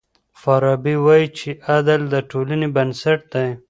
فارابي وايي چي عدل د ټولني بنسټ دی.